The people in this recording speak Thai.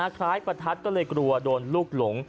คล้ายประทัดก็เลยกลัวโดนลูกหลง